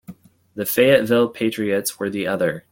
The Fayetteville Patriots were the other.